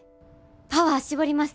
パワー絞ります。